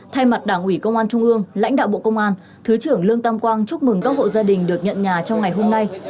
thay mặt đảng ủy công an trung ương lãnh đạo bộ công an thứ trưởng lương tam quang chúc mừng các hộ gia đình được nhận nhà trong ngày hôm nay